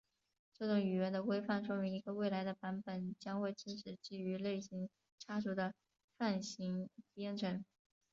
这种语言的规范说明一个未来的版本将会支持基于类型擦除的泛型编程。